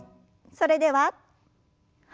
それでははい。